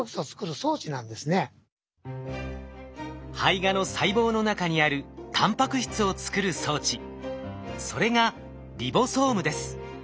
胚芽の細胞の中にあるタンパク質を作る装置それがリボソームです。